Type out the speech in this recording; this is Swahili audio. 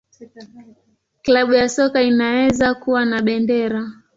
Klabu ya soka inaweza kuwa na bendera.